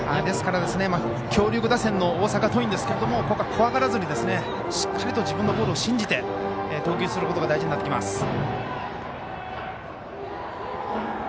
ですから強力打線の大阪桐蔭ですけれどもここは怖がらずにしっかりと自分のボールを信じて投球することが大事になってきます。